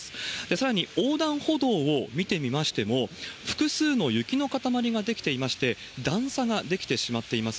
さらに、横断歩道を見てみましても、複数の雪の塊が出来ていまして、段差が出来てしまっています。